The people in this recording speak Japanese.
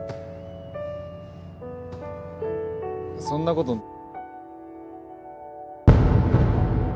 そんなこと。